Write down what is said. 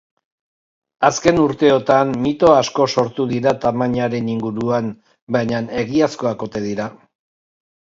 Azken urteotan mito asko sortu dira tamainaren inguruan, baina egiazkoak ote dira?